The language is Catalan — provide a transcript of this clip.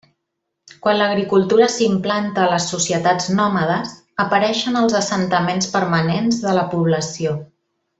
Quan l’agricultura s'implanta a les societats nòmades, apareixen els assentaments permanents de la població.